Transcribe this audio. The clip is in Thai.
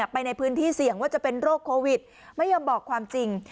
ไปในพื้นที่เสี่ยงว่าจะเป็นโรคโควิดไม่ยอมบอกความจริง